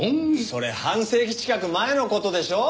それ半世紀近く前の事でしょ？